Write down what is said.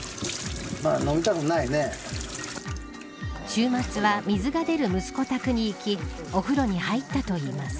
週末は、水が出る息子宅に行きお風呂に入ったといいます。